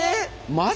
マジ？